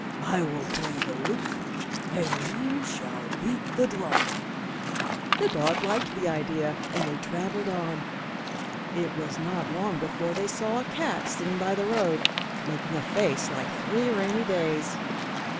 I will play the lute, and you shall beat the drum." The dog liked the idea, and they travelled on. It was not long before they saw a cat sitting by the road, making a face like three rainy days.